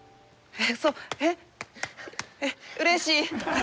えっうれしい！